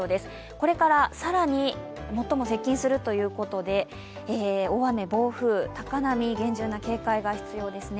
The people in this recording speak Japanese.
これから更に最も接近するということで大雨、暴風、高波、厳重な警戒が必要ですね。